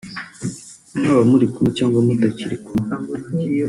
mwaba muri kumwe cyangwa mutakiri kumwe